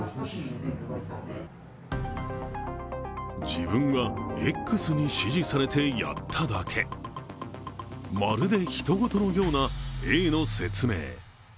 自分はＸに指示されてやっただけまるでひと事のようなＡの説明。